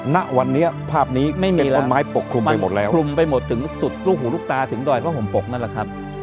ณวันนี้ภาพนี้ไม่มีต้นไม้ปกคลุมไปหมดแล้วคลุมไปหมดถึงสุดลูกหูลูกตาถึงดอยพระห่มปกนั่นแหละครับ